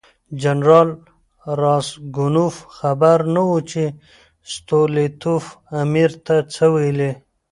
جنرال راسګونوف خبر نه و چې ستولیتوف امیر ته څه ویلي.